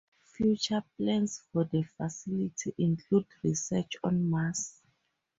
Future plans for the facility include research on Mars.